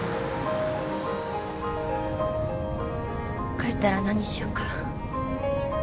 帰ったら何しようか？